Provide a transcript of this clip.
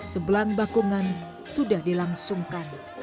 sebelang bakungan sudah dilangsungkan